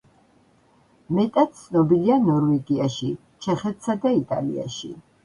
მეტად ცნობილია ნორვეგიაში, ჩეხეთსა და იტალიაში.